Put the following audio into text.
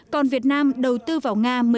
còn việt nam đầu tư vào nga